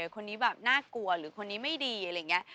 คนนี้แบบน่ากลัวหรือคนนี้ไม่ดีอะไรอย่างนี้